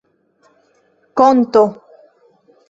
konto